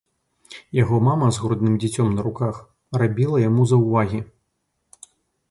Яго мама з грудным дзіцём на руках рабіла яму заўвагі.